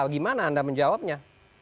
bagaimana anda menjawabnya